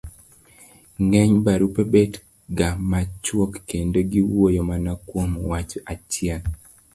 ng'eny barupe bet ga machuok kendo giwuoyo mana kuom wach achiel